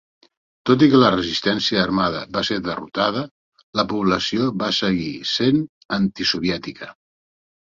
Tot i que la resistència armada va ser derrotada, la població va seguir sent antisoviètica.